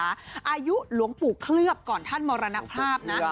อายุหลวงปู่เคลือบก่อนท่านมรณภาพนะ